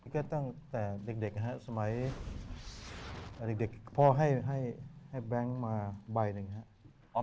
ก็ตั้งแต่เด็กนะครับสมัยเด็กพ่อให้แบงค์มาใบหนึ่งครับ